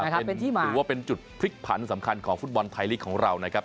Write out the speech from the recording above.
ถือว่าเป็นจุดพลิกผันสำคัญของฟุตบอลไทยลีกของเรานะครับ